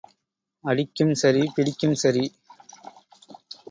அடிக்கும் சரி, பிடிக்கும் சரி.